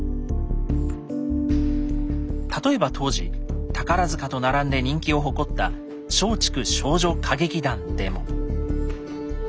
例えば当時宝と並んで人気を誇った松竹少女歌劇団でも。